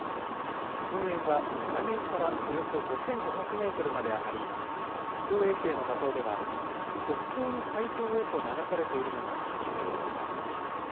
噴煙は海面からおよそ５５００メートルまで上がり、気象衛星の画像では、北東の海上へと流されているのが確認できます。